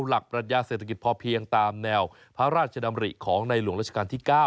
หลักปรัชญาเศรษฐกิจพอเพียงตามแนวพระราชดำริของในหลวงราชการที่๙